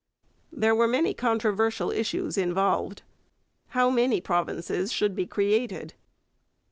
There were many controversial issues involved. How many provinces should be created?